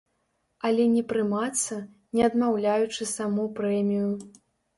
Але не прымацца, не адмаўляючы саму прэмію.